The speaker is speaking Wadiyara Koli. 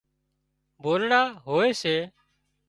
ڀولڙا هوئي سي